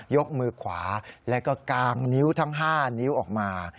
ยกมือขวาแล้วก็กางนิ้วทั้ง๕นิ้วออกมา